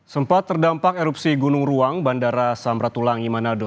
sempat terdampak erupsi gunung ruang bandara samratulangi manado